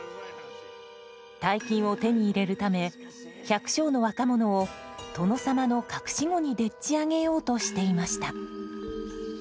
大金を手に入れるため百姓の若者を殿様の隠し子にでっちあげようとしていました。